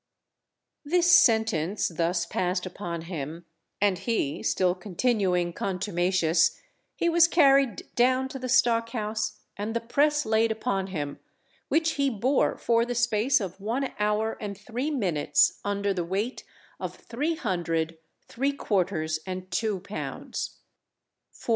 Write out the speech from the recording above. _ This sentence thus passed upon him, and he still continuing contumacious, he was carried down to the stock house, and the press laid upon him, which he bore for the space of one hour and three minutes, under the weight of three hundred, three quarters, and two pounds [424 lb.